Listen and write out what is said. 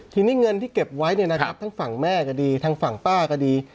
ทีนี้เงินที่เก็บไว้เนี่ยนะครับทั้งฝั่งแม่ก็ดีทางฝั่งป้าก็ดี